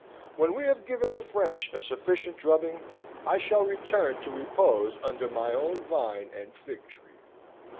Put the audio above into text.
When we have given the French a sufficient drubbing, I shall return to repose under my own vine and fig tree."